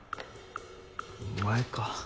お前か。